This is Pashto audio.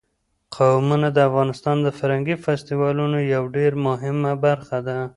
قومونه د افغانستان د فرهنګي فستیوالونو یوه ډېره مهمه برخه ده.